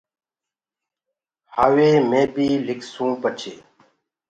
هآوي مي بيٚ لکسونٚ پڇي